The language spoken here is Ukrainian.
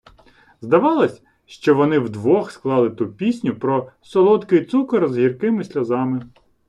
Здавалось, що вони вдвох склали ту пісню про "солодкий цукор з гіркими сльозами".